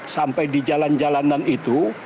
sampai di jalan jalanan itu